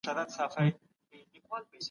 سياسي قدرت په سمه توګه وکاروئ.